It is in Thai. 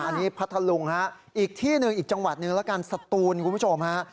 อันนี้พัทธลุงฮะอีกที่หนึ่งอีกจังหวัดหนึ่งแล้วกันสตูนคุณผู้ชมฮะ